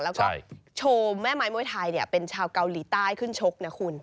แล้วก็โชว์แม่ไม้มวยไทยเป็นชาวเกาหลีใต้ขึ้นชกนะคุณ